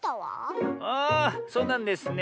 ああそうなんですね。